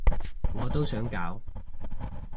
我都想搞